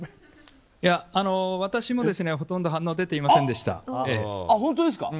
私もほとんど反応は出ていませんでした。